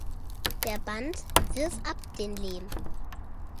Der Band "Wirf ab den Lehm.